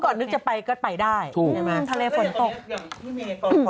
ก็ติ๊งจ้ะมาก